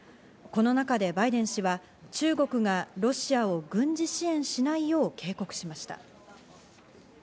この中でバイデン氏は、中国がロシアを軍事支援しないよう警告しました。